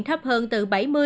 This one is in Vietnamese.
thấp hơn từ bảy mươi tám mươi